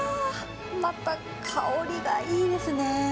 また香りがいいですね。